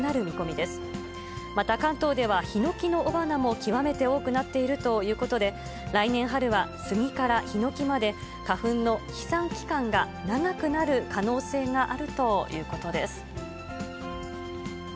また、関東ではヒノキの雄花も極めて多くなっているということで、来年春はスギからヒノキまで、花粉の飛散期間が長くなる可能性があるということです。